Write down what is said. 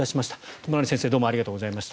友成先生、岡先生ありがとうございました。